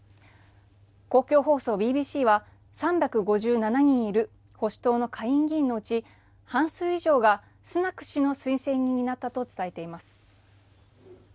公共放送ＢＢＣは３５７人いる保守党の下院議員のうち半数以上がスナク氏の推薦人になったと伝えています。